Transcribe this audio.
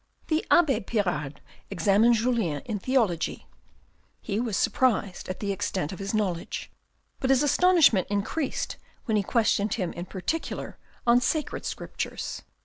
The abbe Pirard examined Julien in theology ; he was surprised at the extent of his knowledge, but his astonishment increased when he questioned him in particular on sacred scriptures.